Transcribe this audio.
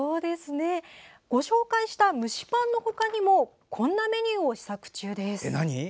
ご紹介した蒸しパンの他にもこんなメニューも試作中です。